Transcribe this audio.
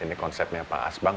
ini konsepnya pak asbang